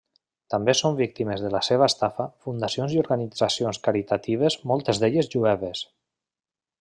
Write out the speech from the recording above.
També són víctimes de la seva estafa fundacions i organitzacions caritatives moltes d'elles jueves.